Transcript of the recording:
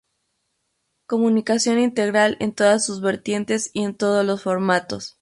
Comunicación integral en todas sus vertientes y en todos los formatos.